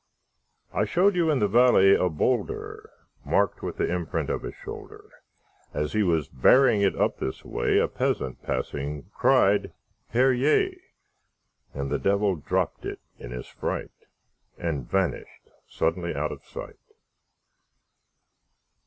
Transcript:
I showed you in the valley a boulderMarked with the imprint of his shoulder; As he was bearing it up this way,A peasant, passing, cried, "Herr Jé!"And the Devil dropped it in his fright, And vanished suddenly out of sight!